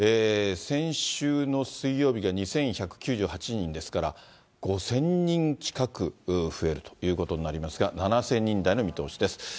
先週の水曜日が２１９８人ですから、５０００人近く増えるということになりますが、７０００人台の見通しです。